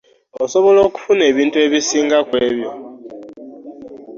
Osobola okufuna ebintu ebisinga kwe byo.